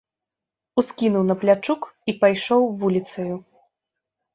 Ускінуў на плячук і пайшоў вуліцаю.